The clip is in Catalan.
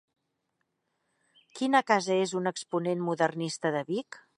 Quina casa és un exponent modernista de Vic?